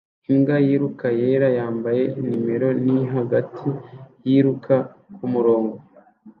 Imbwa yiruka yera yambaye nimero ni hagati yiruka kumurongo